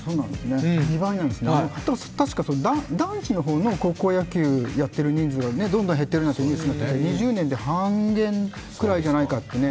たしか男子の方の高校野球をやっている人数がどんどん減ってるなんてニュースもあって２０年で半減くらいじゃないかってね。